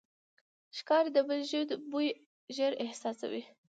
ښکاري د بلې ژوي بوی ژر احساسوي.